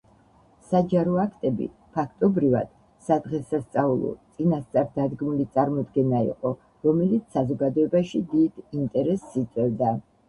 საჯარო აქტები, ფაქტობრივად, სადღესასწაულო, წინასწარ დადგმული წარმოდგენა იყო, რომელიც საზოგადოებაში დიდ ინტერესს იწვევდა.